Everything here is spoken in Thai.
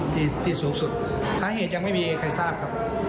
ที่ที่สูงสุดสาเหตุยังไม่มีใครทราบครับ